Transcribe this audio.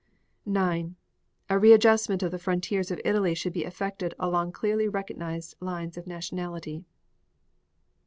9. A readjustment of the frontiers of Italy should be effected along clearly recognized lines of nationality.